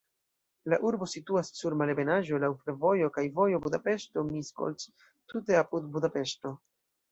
La urbo situas sur malebenaĵo, laŭ fervojo kaj vojo Budapeŝto-Miskolc, tute apud Budapeŝto.